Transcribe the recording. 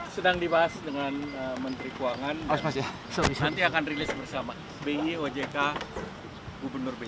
sedang dibahas dengan menteri keuangan nanti akan rilis bersama bi ojk gubernur bi